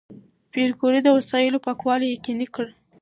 پېیر کوري د وسایلو پاکوالی یقیني کړ.